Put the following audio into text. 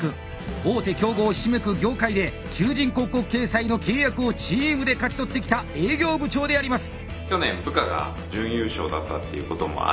大手競合ひしめく業界で求人広告掲載の契約をチームで勝ち取ってきた営業部長であります。